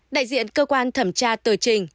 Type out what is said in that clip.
đại diện cơ quan thẩm tra tờ trình